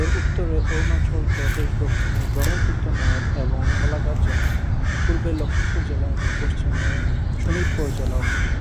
এর উত্তরে অরুণাচল প্রদেশ দক্ষিণে ব্রহ্মপুত্র নদ এবং গোলাঘাট জেলা, পূর্বে লখিমপুর জেলা এবং পশ্চিমে শোণিতপুর জেলা অবস্থিত।